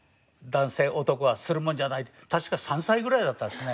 確か３歳ぐらいだったんですね。